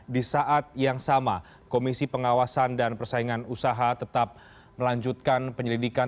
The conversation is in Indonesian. di saat yang sama komisi pengawasan dan persaingan usaha tetap melanjutkan penyelidikan